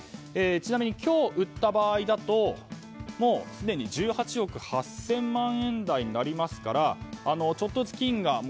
ちなみに今日売った場合だとすでに１８億８０００万円台になりますからちょっとずつ金が。